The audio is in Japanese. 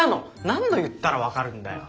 何度言ったら分かるんだよ！